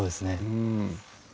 うん